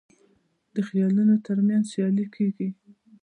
د خیلونو ترمنځ سیالي کیږي.